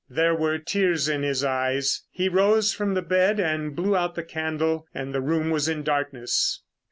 There were tears in his eyes. He rose from the bed and blew out the candle and the room was in darkness.